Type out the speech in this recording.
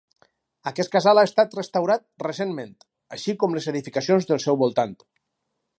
Aquest casal ha estat restaurat recentment, així com les edificacions del seu voltant.